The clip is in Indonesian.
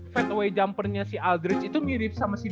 fat away jumper nya si aldrich itu mirip sama spurs ya kan